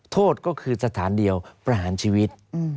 โทษก็คือสถานเดียวประหารชีวิต